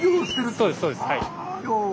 そうですそうです。